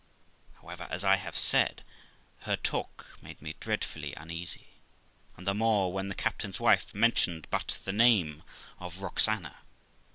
However, as I have said, her talk made me dreadfully uneasy, and the more when the captain's wife mentioned but the name of Roxana.